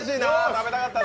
食べたかったな。